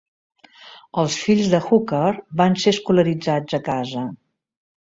Els fills de Hooker van ser escolaritzats a casa.